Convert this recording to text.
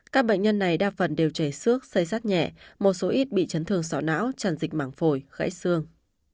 các bệnh nhân này đa phần đều chảy xước xây xác nhẹ một số ít bị chấn thương sỏ não tràn dịch mảng phổi khẽ xương